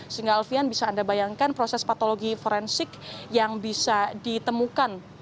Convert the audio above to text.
sehingga alfian bisa anda bayangkan proses patologi forensik yang bisa ditemukan